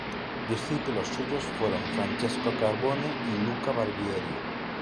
Discípulos suyos fueron Francesco Carbone y Luca Barbieri.